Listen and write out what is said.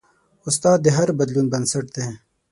استاد د هر بدلون بنسټ دی.